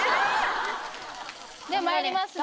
ではまいりますね。